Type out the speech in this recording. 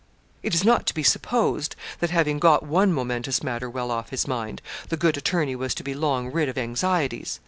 It is not to be supposed, that having got one momentous matter well off his mind, the good attorney was to be long rid of anxieties.